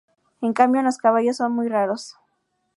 En cambio, en los caballos son muy raros.